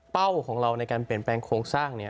ของเราในการเปลี่ยนแปลงโครงสร้างเนี่ย